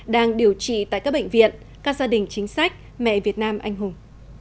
đang điều trị tại các bệnh viện các gia đình chính sách mẹ việt nam anh hùng